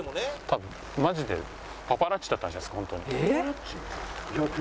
多分マジでパパラッチだったんじゃないですか本当に。